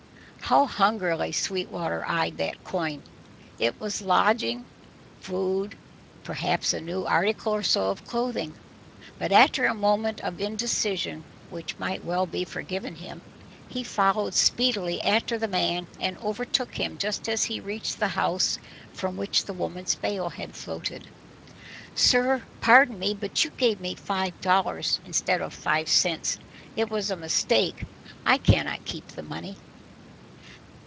How hungrily Sweetwater eyed that coin! In it was lodging, food, perhaps a new article or so of clothing. But after a moment of indecision which might well be forgiven him, he followed speedily after the man and overtook him just as he reached the house from which the woman's veil had floated. "Sir, pardon me; but you gave me five dollars instead of five cents. It was a mistake; I cannot keep the money."